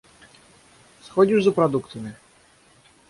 Сходишь за продуктами?